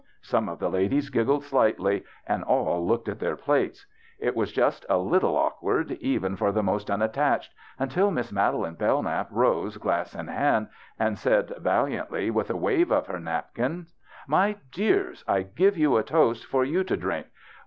Some of the ladies giggled slightly, and all looked at their plates. It was just a little awkward, even for the most unattached, until Miss Madeline Bellknap rose, glass in hand, and said valiantly, with a wave of her napkin :" My dears, I give you a toast for you to drink.